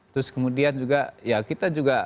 terus kemudian juga ya kita juga